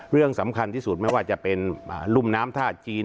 เรื่องสำคัญที่สุดไม่ว่าจะเป็นรุ่มน้ำท่าจีน